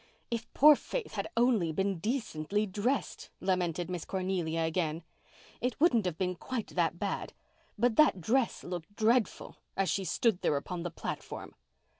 '" "If poor Faith had only been decently dressed," lamented Miss Cornelia again, "it wouldn't have been quite that bad. But that dress looked dreadful, as she stood there upon the platform."